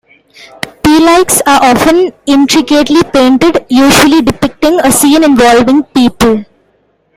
Pelikes are often intricately painted, usually depicting a scene involving people.